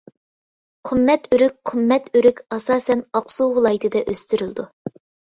قۇممەت ئۆرۈك قۇممەت ئۆرۈك ئاساسەن ئاقسۇ ۋىلايىتىدە ئۆستۈرۈلىدۇ.